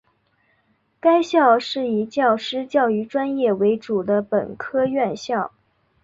该校是以教师教育专业为主的本科院校。